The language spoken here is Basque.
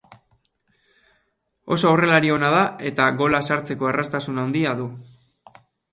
Oso aurrelari ona da, eta gola sartzeko erraztasun handi du.